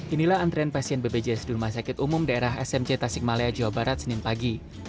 inilah antrean pasien bbjs dulma sakit umum daerah smc tasikmalaya jawa barat senin pagi